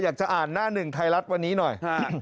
อยากจะอ่านหน้าหนึ่งไทยรัฐวันนี้หน่อย